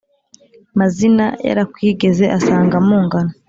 Mazina yarakwigeze asanga mungana